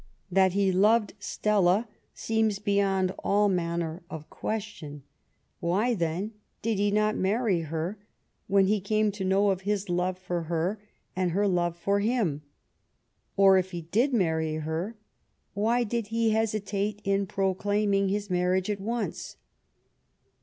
That he loved Stella seems beyond all manner of question. Why, then, did he not marry her, when he came to know of his love for her and her love for him? Or if he did marry her, why did he hesitate in proclaiming his marriage at once?